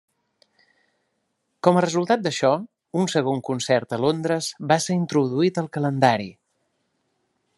Com a resultat d'això, un segon concert a Londres va ser introduït al calendari.